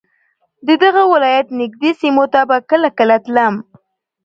د دغه ولایت نږدې سیمو ته به کله کله تلم.